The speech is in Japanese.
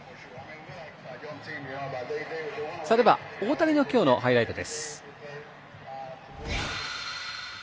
大谷の今日のハイライトです。